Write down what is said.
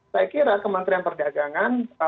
saya kira kementerian perdagangan